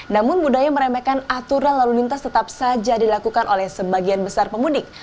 namun budaya meremehkan aturan lalu lintas tetap saja dilakukan oleh sebagian besar pemudik